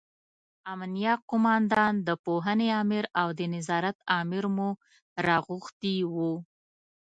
امینه قوماندان، د پوهنې امر او د نظارت امر مو راغوښتي وو.